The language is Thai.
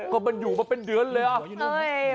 ก็มันอยู่มาเป็นเดือนเลยอ่ะ